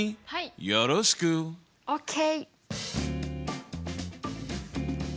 よろしく。ＯＫ！